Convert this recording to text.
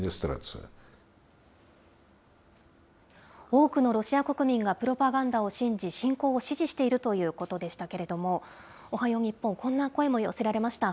多くのロシア国民が、プロパガンダを信じ、侵攻を支持しているということでしたけれども、おはよう日本、こんな声も寄せられました。